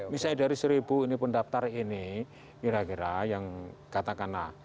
misalnya dari seribu ini pendaftar ini kira kira yang katakanlah